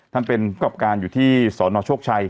ท่านเป็นผู้กับการอยู่ที่สนโชคชัย